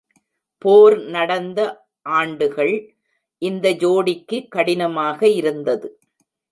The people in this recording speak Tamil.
போர் நடந்த ஆண்டுகள் இந்த ஜோடிக்கு கடினமாக இருந்தது.